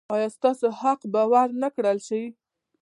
ایا ستاسو حق به ور نه کړل شي؟